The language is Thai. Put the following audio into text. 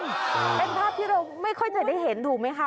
เป็นภาพที่เราไม่ค่อยจะได้เห็นถูกไหมคะ